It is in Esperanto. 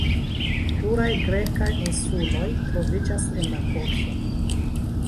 Pluraj grekaj insuloj troviĝas en la golfo.